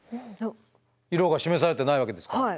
色が示されてないわけですから。